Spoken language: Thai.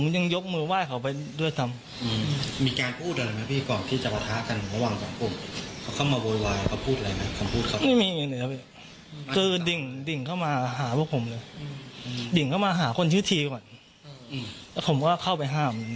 ต้องยืดทีก่อนแต่ผมก็เข้าไปห้าม